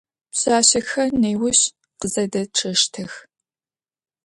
Пшъашъэхэр неущ къызэдэчъэщтых.